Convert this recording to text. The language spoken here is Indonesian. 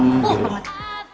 oh enak banget